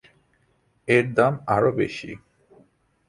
এর দাম আরও বেশি।